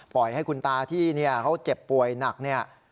ปล่อยให้คุณตาที่เขาเจ็บป่วยหนักเนี่ย